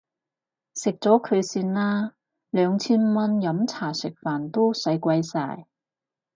食咗佢算啦，兩千蚊飲茶食飯都使鬼晒